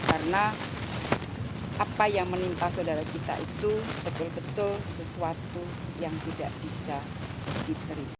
karena apa yang menimpa saudara kita itu betul betul sesuatu yang tidak bisa diterima